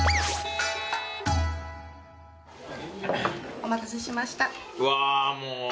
おまたせしました。